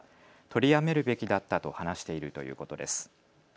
取りやめるべきだったと話しているということです。